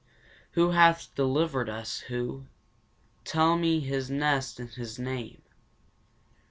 Who hath delivered us, who? Tell me his nest and his name.